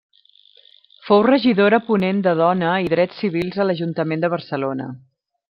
Fou regidora ponent de dona i drets civils a l'Ajuntament de Barcelona.